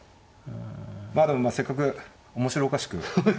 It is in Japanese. まあでもせっかく面白おかしく。